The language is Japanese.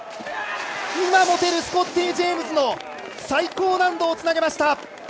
今持てるスコッティ・ジェームズの最高難度をつなげました！